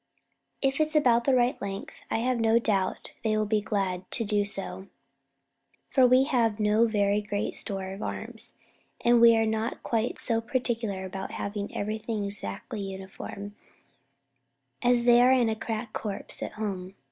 "If it's about the right length I have no doubt they will be glad to do so, for we have no very great store of arms, and we are not quite so particular about having everything exactly uniform as they are in a crack corps at home.